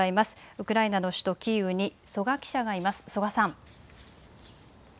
ウクライナの首都キーウに曽我記者がいます。